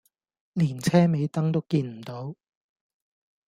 連車尾燈都見唔到